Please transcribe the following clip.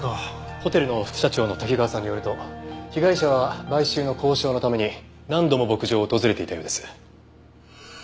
ホテルの副社長の滝川さんによると被害者は買収の交渉のために何度も牧場を訪れていたようです。